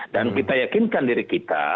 dan kita yakinkan diri kita